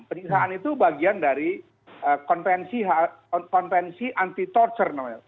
peniksaan itu bagian dari konvensi anti torture namanya